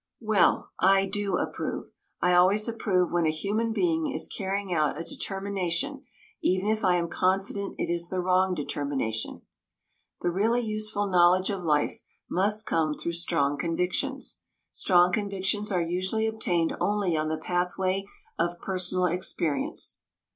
Well I do approve. I always approve when a human being is carrying out a determination, even if I am confident it is the wrong determination. The really useful knowledge of life must come through strong convictions. Strong convictions are usually obtained only on the pathway of personal experience.